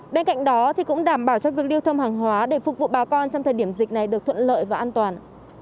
bên cạnh đó cũng đảm bảo cho việc lưu thông hàng hóa để phục vụ bà con trong thời điểm dịch này được thuận lợi và an toàn